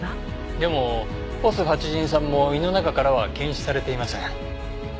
でもホスファチジン酸も胃の中からは検出されていません。